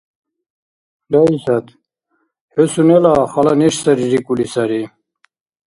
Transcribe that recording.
– Раисат… хӀу сунела хала неш сари рикӀули сари.